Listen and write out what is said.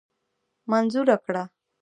منظوره کړه.